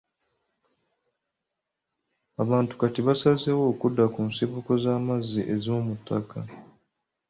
Abantu kati basazeewo okudda ku nsibuko z'amazzi ez'omuttaka.